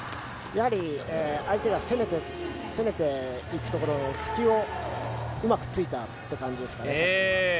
相手が攻めていくところの隙をうまく突いたって感じですかね。